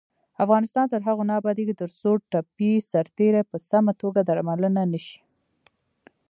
افغانستان تر هغو نه ابادیږي، ترڅو ټپي سرتیري په سمه توګه درملنه نشي.